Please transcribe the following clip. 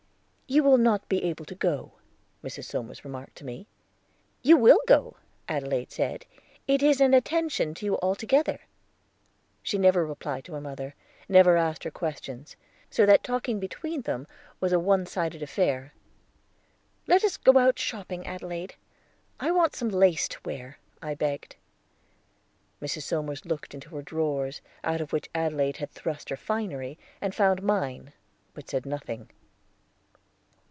"You will not be able to go," Mrs. Somers remarked to me. "You will go," Adelaide said; "it is an attention to you altogether." She never replied to her mother, never asked her any questions, so that talking between them was a one sided affair. "Let us go out shopping, Adelaide; I want some lace to wear," I begged. Mrs. Somers looked into her drawers, out of which Adelaide had thrust her finery, and found mine, but said nothing.